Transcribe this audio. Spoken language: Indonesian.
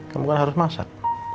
kamu kan harus masak